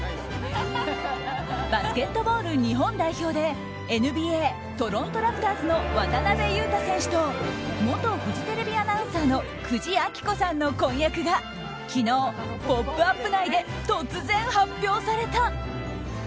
バスケットボール日本代表でＮＢＡトロント・ラプターズの渡邊雄太選手と元フジテレビアナウンサーの久慈暁子さんの婚約が昨日、「ポップＵＰ！」内で突然発表された。